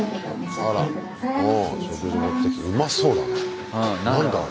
あうまそうだな。